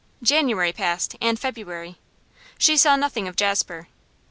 January passed, and February. She saw nothing of Jasper.